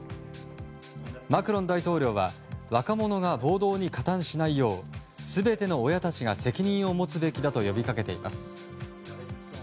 マクロン大統領は若者が暴動に加担しないよう全ての親たちが、責任を持つべきだと呼びかけています。